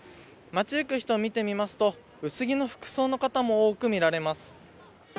街行く人を見てみますと、薄着の服装の方も多くみられます。